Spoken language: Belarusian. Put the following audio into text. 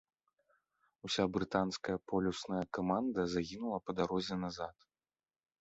Уся брытанская полюсная каманда загінула па дарозе назад.